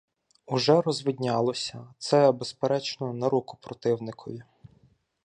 Уже розвиднялося — це, безперечно, на руку противникові.